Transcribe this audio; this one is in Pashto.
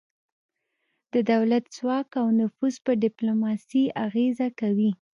د دولت ځواک او نفوذ په ډیپلوماسي اغیزه کوي